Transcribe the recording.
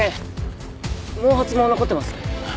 毛髪も残ってます。